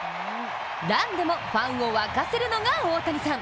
ランでもファンを沸かせるのが大谷さん。